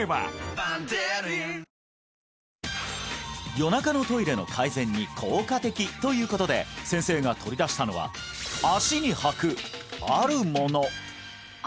夜中のトイレの改善に効果的ということで先生が取り出したのは足にはくあるもの